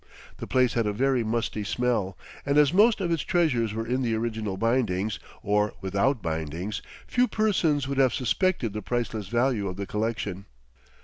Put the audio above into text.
The place had a very musty smell; and as most of its treasures were in the original bindings, or without bindings, few persons would have suspected the priceless value of the collection.